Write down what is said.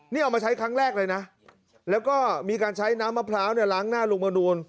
นี่เอามาใช้ครั้งแรกเลยนะแล้วก็มีการใช้น้ำมะพร้าวเนี่ยล้างหน้าลุงมนูล